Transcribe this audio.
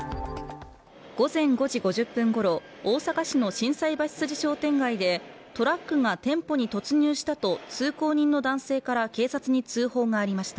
午前５時５０分ごろ大阪市の心斎橋筋商店街でトラックが店舗に突入したと通行人の男性から警察に通報がありました。